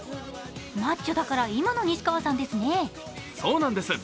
マッチョだから今の西川さんですね。